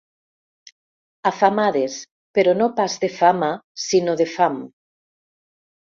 Afamades, però no pas de fama sinó de fam.